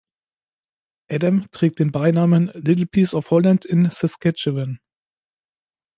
Edam trägt den Beinamen "„Little piece of Holland in Saskatchewan“".